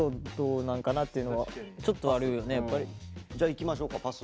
じゃあいきましょうか「パス」。